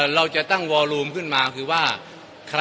เราจะตั้งวอลูมขึ้นมาคือว่า